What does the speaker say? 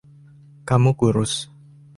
Kamu kurus.